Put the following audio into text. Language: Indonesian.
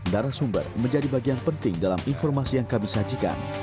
darah sumber menjadi bagian penting dalam informasi yang kami sajikan